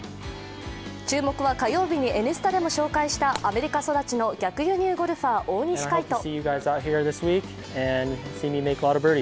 注目は、火曜日に「Ｎスタ」でも紹介したアメリカ育ちの逆輸入ゴルファー大西魁斗。